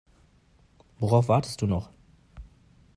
Worauf wartest du noch?